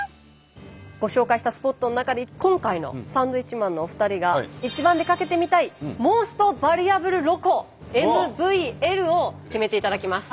ご紹介したスポットの中で今回のサンドウィッチマンのお二人が一番出かけてみたいＭｏｓｔＶａｌｕａｂｌｅＬｏｃｏＭＶＬを決めていただきます。